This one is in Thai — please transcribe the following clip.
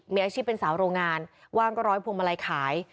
มีอาชีพเป็นสาวโรงงานว่างก็ร้อยพวงมาลัยขาย